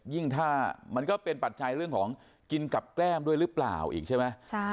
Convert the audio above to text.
ยิ่งถ้ามันก็เป็นปัจจัยเรื่องของกินกับแก้มด้วยหรือเปล่าอีกใช่ไหม